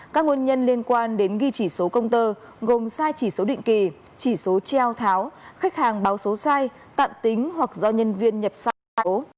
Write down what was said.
các nguồn nhân liên quan đến ghi chỉ số công tơ gồm sai chỉ số định kỳ chỉ số treo tháo khách hàng báo số sai tạm tính hoặc do nhân viên nhập sai số